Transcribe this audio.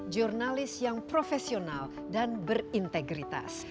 jurnalis yang profesional dan berintegritas